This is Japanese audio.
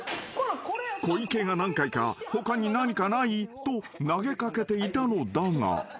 ［小池が何回か「他に何かない？」と投げ掛けていたのだが］